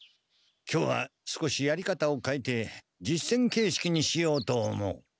今日は少しやり方をかえて実戦形式にしようと思う。